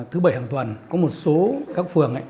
thứ bảy hàng tuần có một số các phường